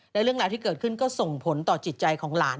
และเรื่องราวที่เกิดขึ้นก็ส่งผลต่อจิตใจของหลาน